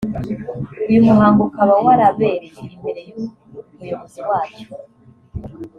uyu muhango ukaba warabereye imbere y’umuyobozi wacyo